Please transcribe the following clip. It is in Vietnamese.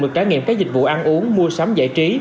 được trải nghiệm các dịch vụ ăn uống mua sắm giải trí